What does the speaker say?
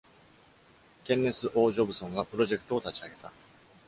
Kenneth O Jobson がプロジェクトを立ち上げた。